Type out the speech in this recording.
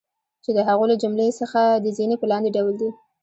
چی د هغو له جملی څخه د ځینی په لاندی ډول دی